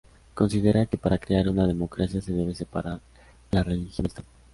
Considera que para crear una democracia se debe separar a la religión del Estado.